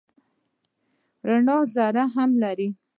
رڼا ذرې هم لري.